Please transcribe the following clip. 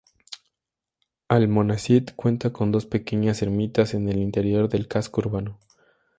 Almonacid cuenta con dos pequeñas ermitas en el interior del casco urbano.